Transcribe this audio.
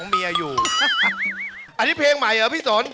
อ๋อไงหรอข้อมูลให้ตัว